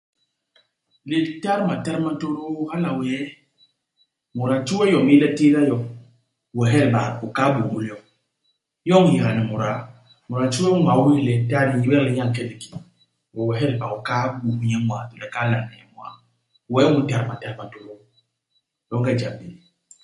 Litat matat ma ntôdôô hala wee, mut a nti we yom yéé le u tééda yo, we u hyelba, u kahal bôñôl yo. Di yoñ hihéga ni muda. Mut a nti we ñwaa wéé le u tat nye, bebek le nye a nke i liké. We u hyelba, u kahal bus nye ñwaa, to le u kahal lalna nye ñwaa. Wee u ntat matat ma ntôdôô. Longe ijam bé i.